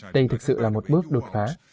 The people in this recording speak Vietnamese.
đây thực sự là một bước đột phá